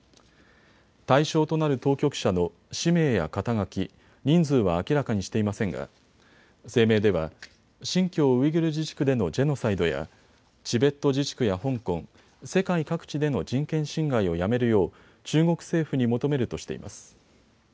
対象となる当局者の氏名や肩書、人数は明らかにしていませんが声明では、新疆ウイグル自治区でのジェノサイドやチベット自治区や香港、世界各地での人権侵害をやめるよう中国政府に求めるとしています。